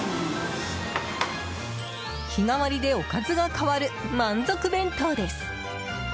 日替わりでおかずが変わる満足弁当です。